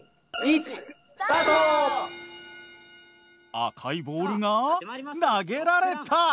赤いボールが投げられた。